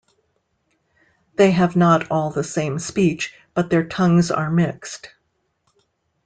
They have not all the same speech, but their tongues are mixed.